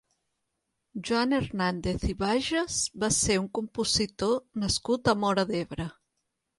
Joan Hernàndez i Baiges va ser un compositor nascut a Móra d'Ebre.